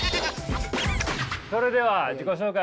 それでは自己紹介